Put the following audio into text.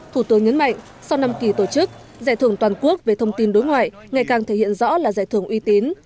thủ tướng nhấn mạnh sau năm kỳ tổ chức giải thưởng toàn quốc về thông tin đối ngoại ngày càng thể hiện rõ là giải thưởng uy tín